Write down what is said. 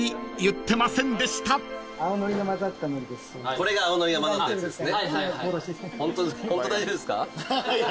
これが青のりが混ざったやつですね。